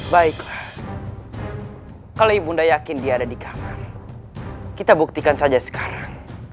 baik kalau ibunda yakin dia ada di kamar kita buktikan saja sekarang